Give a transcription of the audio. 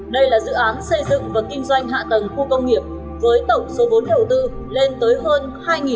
đây là dự án xây dựng và kinh doanh hạ tầng khu công nghiệp với tổng số vốn đầu tư lên tới hơn hai tỷ đồng